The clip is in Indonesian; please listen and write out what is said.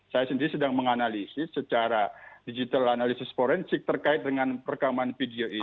saya sendiri sedang menganalisis secara digital analisis forensik terkait dengan rekaman video itu